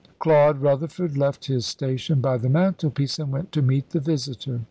Claude Rutherford left his station by the mantelpiece and went to meet the visitor.